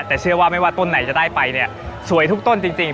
แต่เชื่อว่าไม่ว่าต้นไหนจะได้ไปเนี่ยสวยทุกต้นจริง